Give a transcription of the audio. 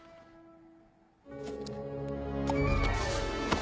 あ。